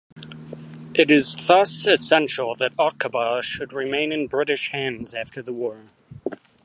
It is thus essential that Aqaba should remain in British hands after the war.